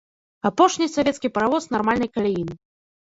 Апошні савецкі паравоз нармальнай каляіны.